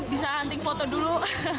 bisa hunting foto dulu